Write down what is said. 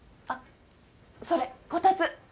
あっそれこたつ。